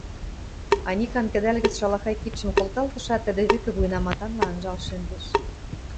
Аникан кӹдӓл гӹц шалахай кидшӹм колталтышат, тӹдӹ вӹкӹ вуйнаматанла анжал шӹндӹш: